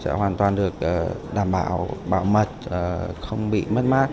sẽ hoàn toàn được đảm bảo bảo mật không bị mất mát